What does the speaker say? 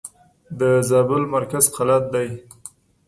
د زابل مرکز قلات دئ.